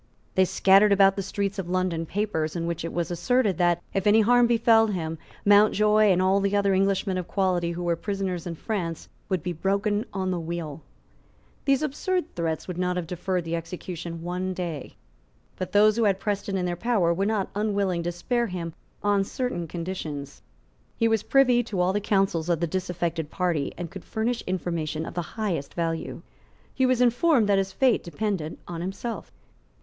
They scattered about the streets of London papers in which it was asserted that, if any harm befell him, Mountjoy, and all the other Englishmen of quality who were prisoners in France, would be broken on the wheel. These absurd threats would not have deferred the execution one day. But those who had Preston in their power were not unwilling to spare him on certain conditions. He was privy to all the counsels of the disaffected party, and could furnish information of the highest value. He was informed that his fate depended on himself.